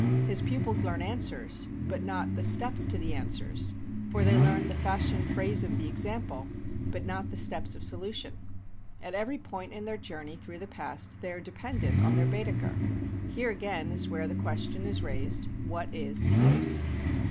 His pupils learn answers, but not the steps to the answers; or they learn the fashion phrase of the "example," but not the steps of solution. At every point in their journey through the past they are dependent on their Bædecker. Here again is where the question is raised, what is the use?